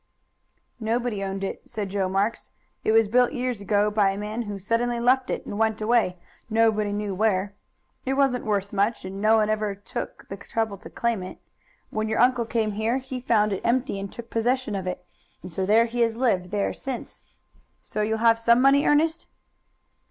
"Nobody owned it," said Joe Marks. "It was built years ago by a man who suddenly left it and went away, nobody knew where. It wasn't worth much, and no one ever took the trouble to claim it. When your uncle came here he found it empty and took possession of it, and there he has lived ever since. So you'll have some money, Ernest?"